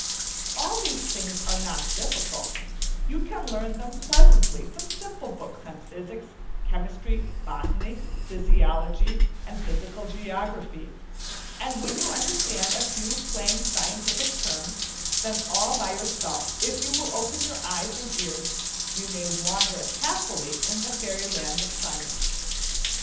All these things are not difficult, you can learn them pleasantly from simple books on physics, chemistry, botany, physiology, and physical geography; and when you understand a few plain scientific terms, then all by yourself, if you will open your eyes and ears, you may wander happily in the fairy land of science.